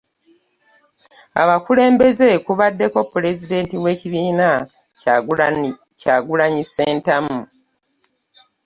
Abakulembeze kubaddeko; Pulezidenti w'ekibiina, Kyagulanyi Ssentamu